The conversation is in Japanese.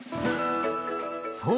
そう。